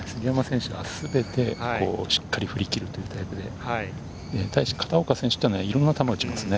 全てしっかり振り切るというタイプで、対して片岡選手は、いろんな球を打ちますね。